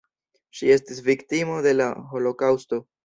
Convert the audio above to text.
Ŝi estis viktimo de la holokaŭsto.